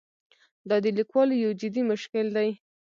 دا د لیکوالو یو جدي مشکل دی.